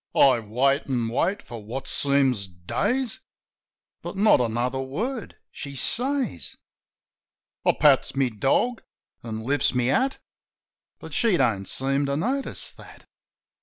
I wait, an' wait for what seems days; But not another word she says. I pats my dog, an' Hfts my hat; But she don't seem to notice that.